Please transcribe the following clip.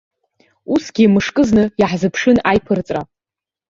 Усгьы мышкызны иаҳзыԥшын аиԥырҵра.